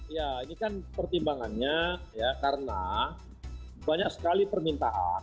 ya ini kan pertimbangannya ya karena banyak sekali permintaan